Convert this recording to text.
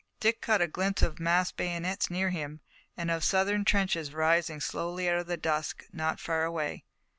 Dick caught a glimpse of massed bayonets near him, and of the Southern trenches rising slowly out of the dusk not far away.